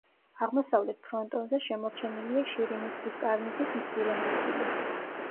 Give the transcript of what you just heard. აღმოსავლეთ ფრონტონზე შემორჩენილია შირიმის ქვის კარნიზის მცირე ნაწილი.